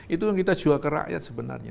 itu yang kita jual ke rakyat sebenarnya